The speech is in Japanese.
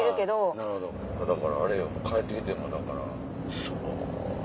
なるほどだからあれよ帰って来てもだからそぉ。